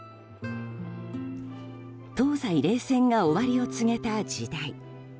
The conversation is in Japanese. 東西冷戦が終わりを告げた時代。